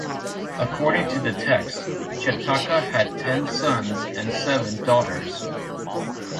According to the text, Chetaka had ten sons and seven daughters.